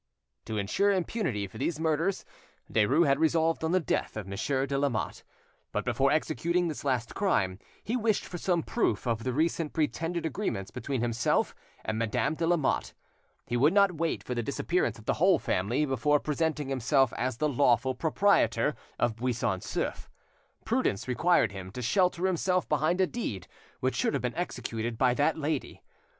To insure impunity for these murders, Derues had resolved on the death of Monsieur de Lamotte; but before executing this last crime, he wished for some proof of the recent pretended agreements between himself and Madame de Lamotte. He would not wait for the disappearance of the whole family before presenting himself as the lawful proprietor, of Buisson Souef. Prudence required him to shelter himself behind a deed which should have been executed by that lady.